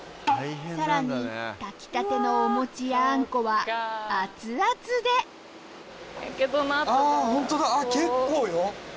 さらに炊きたてのお餅やあんこはアツアツでホントだ結構よ。